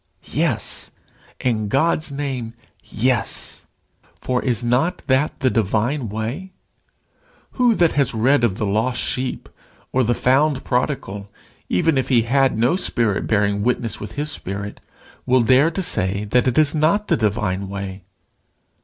Yes; in God's name, yes. For is not that the divine way? Who that has read of the lost sheep, or the found prodigal, even if he had no spirit bearing witness with his spirit, will dare to say that it is not the divine way?